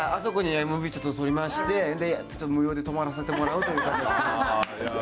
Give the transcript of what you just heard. あそこでＭＶ撮りまして、それで無料で泊まらせてもらうという。